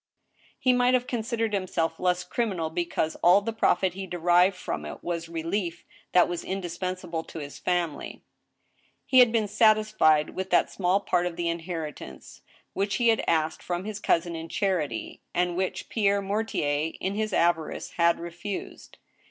He might have considered himself less criminal becatse all the profit he derived from it was relief that was indispensable to his family. He had been satisfied with that small part of the inheritance which he had asked from his cousin in charity, and which Pierre Mortier, in his avarice, had refused.